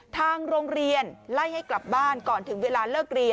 ทางโรงเรียนไล่ให้กลับบ้านก่อนถึงเวลาเลิกเรียน